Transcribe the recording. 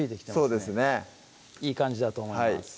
そうですねいい感じだと思います